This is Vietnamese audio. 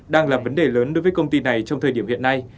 đang là vấn đề lớn đối với công ty này trong thời điểm hiện nay